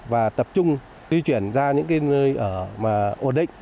và tập trung di chuyển ra những nơi ở mà ổn định